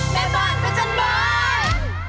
แบบ่าจะจัดบาย